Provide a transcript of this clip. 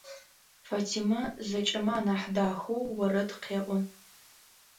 Фатима зэкӏэмэ анахь дахэу орэд къеӏо.